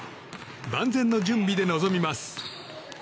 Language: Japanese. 万全な準備で臨みます。